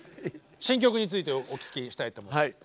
新曲についてお聞きしたいと思います。